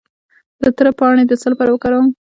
د تره پاڼې د څه لپاره وکاروم؟